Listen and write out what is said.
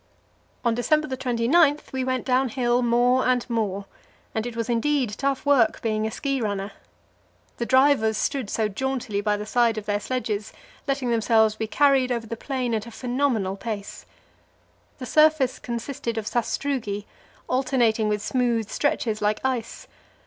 On December 29 we went downhill more and more, and it was indeed tough work being a ski runner. The drivers stood so jauntily by the side of their sledges, letting themselves be carried over the plain at a phenomenal pace. The surface consisted of sastrugi, alternating with smooth stretches like ice.